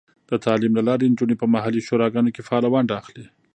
د تعلیم له لارې، نجونې په محلي شوراګانو کې فعاله ونډه اخلي.